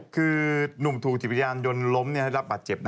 คือหนุ่มถูกจิบยานยนต์ล้มได้รับบาดเจ็บ